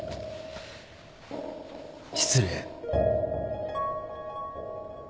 失礼。